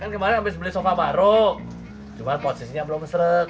kemarin habis beli sofa baru cuma posisinya belum seret